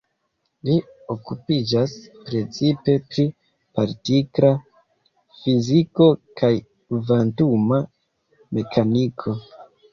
Li okupiĝas precipe pri partikla fiziko kaj kvantuma mekaniko.